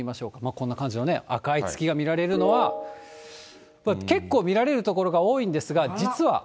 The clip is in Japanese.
こんな感じのね、赤い月が見られるのは、結構見られる所が多いんですが、実は。